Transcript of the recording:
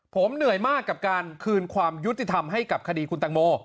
ผมเหนื่อยมากกับการคืนความยุติธรรมให้กับคดีคุณตังโม